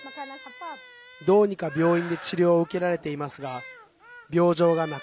どうにか病院で治療を受けられていますが病状が